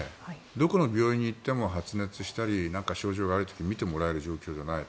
どこの病院に行っても発熱したりなんか症状がある時診てもらえる状況じゃない。